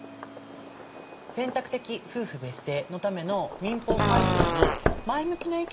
選択的夫婦別姓のための民法改正に前向きな意見の方が多いんですね。